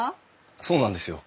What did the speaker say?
そうなんですよ。